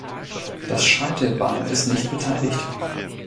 Das Scheitelbein ist nicht beteiligt.